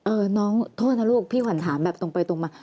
เออน้องโทษนะลูกพี่ขวัญถามแบบตรงไปตรงมา